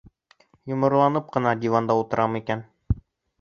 Йомарланып ҡына диванда ултырам икән...